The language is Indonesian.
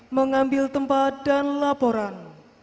mengambil tempat dan laporan